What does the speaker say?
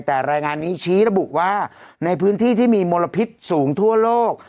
แต่รายงานนี้ชี้ระบุว่าในพื้นที่ที่มีมลพิษสูงทั่วโลก